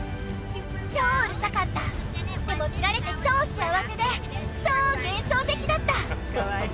超うるさかったでも見られて超幸せで超幻想的だった！